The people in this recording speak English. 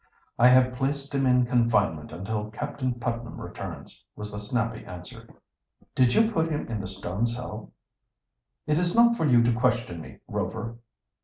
"I have placed him in confinement until Captain Putnam returns," was the snappy answer. "Did you put him in the stone cell?" "It is not for you to question me, Rover."